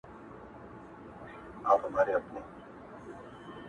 شپې اخیستی لاره ورکه له کاروانه,